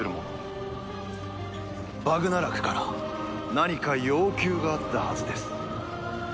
バグナラクから何か要求があったはずです。